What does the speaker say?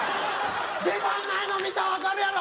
出番ないの見たら分かるやろ！